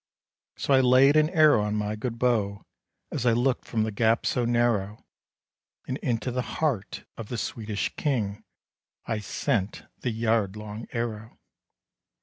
So I laid an arrow on my good bow, As I looked from the gap so narrow; And into the heart of the Swedish King I sent the yard long arrow.